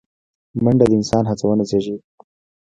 منډه د انسان هڅونه زیږوي